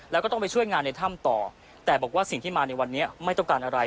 แล้วก็ต้องไปช่วยงานในถ้ำต่อแต่บอกว่าสิ่งที่มาในวันนี้ไม่ต้องการอะไร